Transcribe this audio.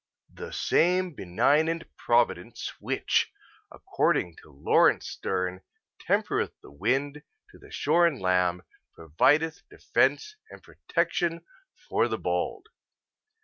The same benignant Providence which, according to Laurence Sterne, tempereth the wind to the shorn lamb provideth defence and protection for the bald.